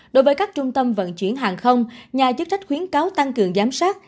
đối với các trung tâm vận chuyển hàng không nhà chức trách khuyến cáo tăng cường giám sát